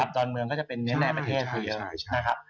ดอนเมืองก็จะเป็นแน่นประเทศ